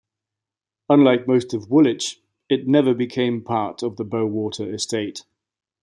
Unlike most of Woolwich, it never became part of the Bowater estate.